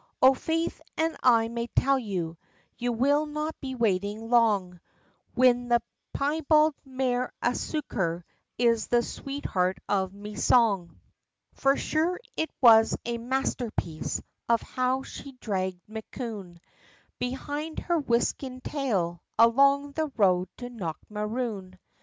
"O faith an' I may tell you, you will not be waitin' long, Whin the piebald mare Asooker, is the sweetheart of me song, For sure it was a mastherpiece, of how she dhragged McKune, Behind her whiskin' tail, along the road, to Knockmaroon.